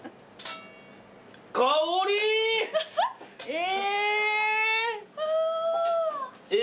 え！